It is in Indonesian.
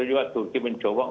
mencoba untuk memperbaiki